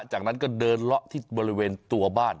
จากนั้นก็เดินเลาะที่บริเวณตัวบ้าน